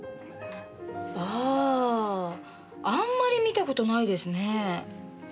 あぁあんまり見た事ないですねえ。